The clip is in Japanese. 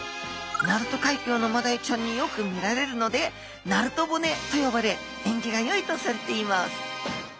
鳴門海峡のマダイちゃんによく見られるので鳴門骨と呼ばれ縁起がよいとされています